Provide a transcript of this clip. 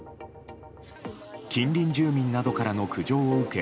近隣住民などからの苦情を受け